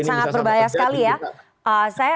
itu sangat berbahaya sekali ya